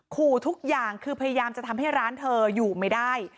ขู่ทุกอย่างคือพยายามจะทำให้ร้านเธออยู่ไม่ได้